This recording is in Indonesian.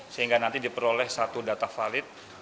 sehingga nanti diperoleh satu data valid